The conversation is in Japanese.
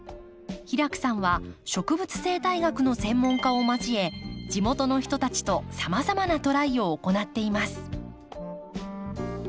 平工さんは植物生態学の専門家を交え地元の人たちとさまざまなトライを行っています。